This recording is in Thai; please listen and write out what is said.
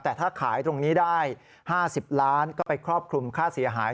แต่ถ้าขายตรงนี้ได้๕๐ล้านก็ไปครอบคลุมค่าเสียหาย